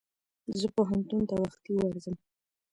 زه پوهنتون ته وختي ورځم.